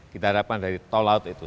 kita harapkan dari tol laut itu